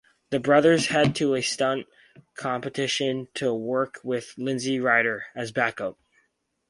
The brothers head to a stunt competition to work with Lindsay Rider... as backup!